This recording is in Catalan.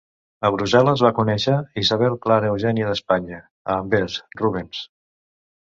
A Brussel·les va conèixer Isabel Clara Eugènia d'Espanya; a Anvers, Rubens.